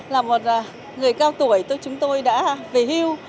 là một người cao tuổi chúng tôi đã về hiu